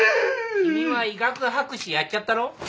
君は医学博士やっちゃったろ。